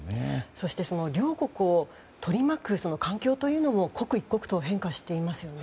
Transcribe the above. そして両国を取り巻く環境というのも刻一刻と変化していますよね。